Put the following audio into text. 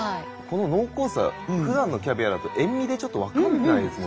この濃厚さふだんのキャビアだと塩みでちょっと分かんないですもんね。